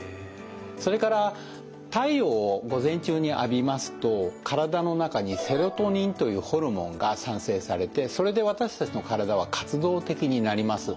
それから太陽を午前中に浴びますと体の中にセロトニンというホルモンが産生されてそれで私たちの体は活動的になります。